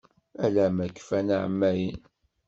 Ala ma kfan εamayan.